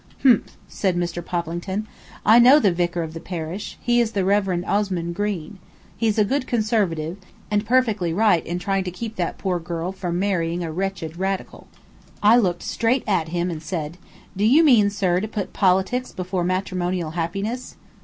"Humph," said Mr. Poplington, "I know the vicar of the parish. He is the Rev. Osmun Green. He's a good Conservative, and is perfectly right in trying to keep that poor girl from marrying a wretched Radical." I looked straight at him and said: "Do you mean, sir, to put politics before matrimonial happiness?"